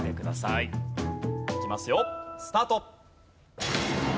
いきますよスタート！